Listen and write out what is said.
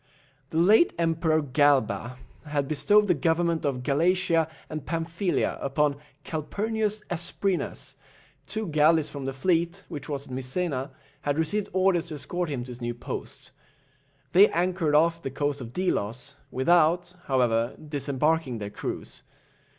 The late Emperor Galba had bestowed the government of Galatia and Pamphilia upon Calphurnius Asprenas; two galleys from the fleet, which was at Misena, had received orders to escort him to his new post. They anchored off the coast of Delos, without, however, disembarking their crews.